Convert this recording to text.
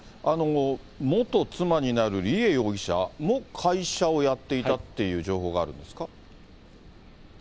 元妻になる梨恵容疑者も会社をやっていたっていう情報があるんですか？